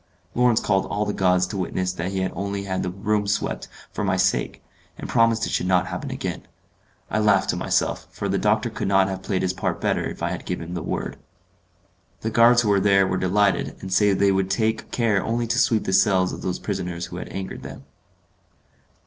Lawrence called all the gods to witness that he had only had the room swept for my sake, and promised it should not happen again. I laughed to myself, for the doctor could not have played his part better if I had given him the word. The guards who were there were delighted, and said they would take care only to sweep the cells of those prisoners who had angered them.